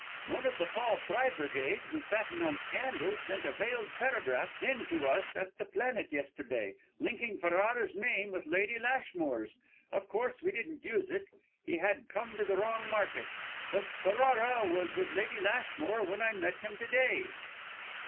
"One of the Paul Pry brigade who fatten on scandal sent a veiled paragraph in to us at The Planet yesterday, linking Ferrara's name with Lady Lashmores.' Of course we didn't use it; he had come to the wrong market; but Ferrara was with Lady Lashmore when I met him to day."